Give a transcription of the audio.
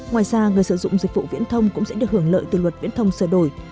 ngoài ra người sử dụng dịch vụ viễn thông cũng sẽ được hưởng lợi từ luật viễn thông sửa đổi